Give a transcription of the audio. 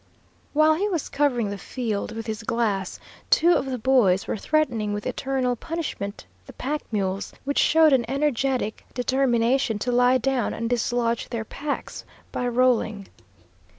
While he was covering the field with his glass, two of the boys were threatening with eternal punishment the pack mules, which showed an energetic determination to lie down and dislodge their packs by rolling.